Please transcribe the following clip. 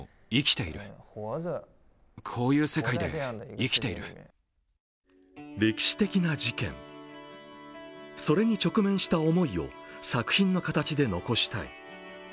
そして歴史的な事件、それに直面した思いを作品の形で残したい。